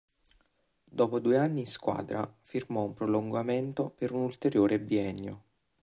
Dopo due anni in squadra, firmò un prolungamento per un ulteriore biennio.